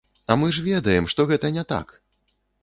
А мы ж, ведаем, што гэта не так!